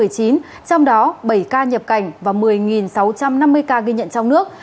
bảy ca nhập cảnh và một mươi sáu trăm năm mươi ca ghi nhận trong nước